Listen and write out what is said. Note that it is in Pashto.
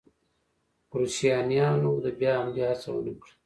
کروشیایانو د بیا حملې هڅه ونه کړل.